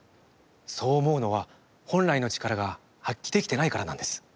そう思うのは本来の力が発揮できてないからなんです。